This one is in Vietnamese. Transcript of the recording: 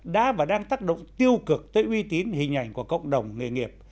đã và đang tác động tiêu cực tới uy tín hình ảnh của cộng đồng nghề nghiệp